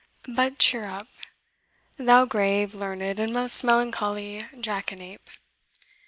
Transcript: But cheer up, thou grave, learned, and most melancholy jackanape!